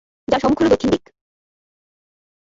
যার সম্মুখ হলো দক্ষিণ দিক।